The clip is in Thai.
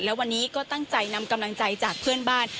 และวันนี้ก็ตั้งใจนำกำลังใจจากเพื่อนบ้าน